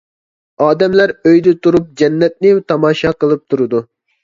ئادەملەر ئۆيىدە تۇرۇپ جەننەتنى تاماشا قىلىپ تۇرىدۇ.